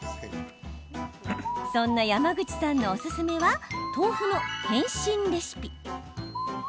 そんな山口さんのおすすめは豆腐の変身レシピ。